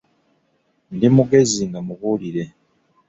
"Ndi mugezi, nga mubuulire."